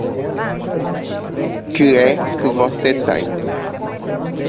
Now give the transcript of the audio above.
Que é que você tem?